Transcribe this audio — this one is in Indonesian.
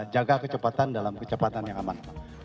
jaga kecepatan dalam kecepatan yang aman